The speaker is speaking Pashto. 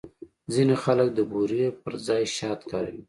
ځینې خلک د بوري پر ځای شات کاروي.